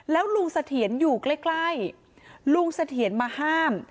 แล้วลุงเสถียรอยู่ใกล้ลุงเสถียรมาห้าม